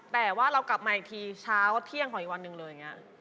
แต่ว่าเรากลับมาอีกทีเช้าเที่ยงของอีกวันหนึ่งเลยอย่างนี้